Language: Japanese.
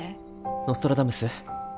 ノストラダムス？